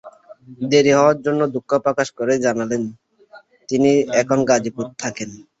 দেরি হওয়ার জন্য দুঃখ প্রকাশ করে জানালেন, তিনি এখন গাজীপুরে থাকেন।